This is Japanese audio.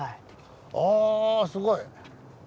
あすごい！